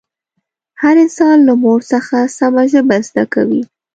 هر انسان له مور څخه سمه ژبه زده کوي